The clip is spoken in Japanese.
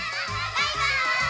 バイバーイ！